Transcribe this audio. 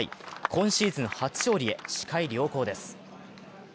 今シーズン初勝利へ視界良好です。